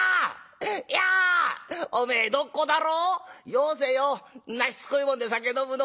よせよんなしつこいもんで酒飲むのは。